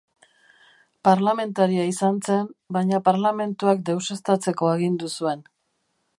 Parlamentaria izan zen, baina parlamentuak deuseztatzeko agindu zuen.